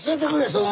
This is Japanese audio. その。